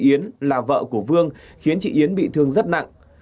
yến là vợ của vương khiến chị yến bị thương rất nặng